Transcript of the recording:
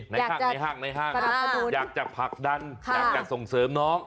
ในห้างอยากจะผลักดันอยากจะส่งเสริมน้อง